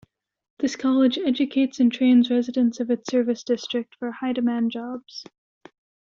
This college educates and trains residents of its service district for high-demand jobs.